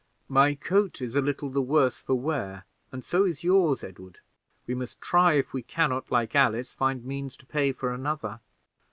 "My coat is a little the worse for wear, and so is yours, Edward. We must try if we can not, like Alice, find means to pay for another."